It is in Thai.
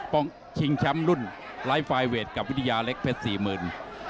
ป้องชิงแชมป์รุ่นไลฟ์ไฟเวทกับวิดิาเล็กเพชร๔๐๐๐๐